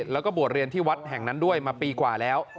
แล้วก็บวชเรียนที่วัดแห่งนั้นด้วยมาปีกว่าแล้ว